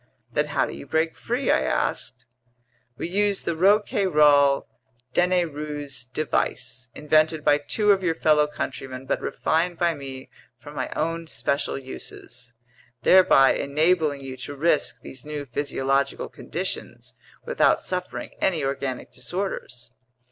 "Then how do you break free?" I asked. "We use the Rouquayrol Denayrouze device, invented by two of your fellow countrymen but refined by me for my own special uses, thereby enabling you to risk these new physiological conditions without suffering any organic disorders.